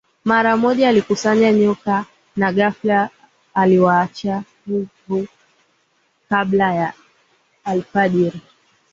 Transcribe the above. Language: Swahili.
Mara moja alikusanya nyoka na ghafla aliwaacha huru kabla ya alfajiri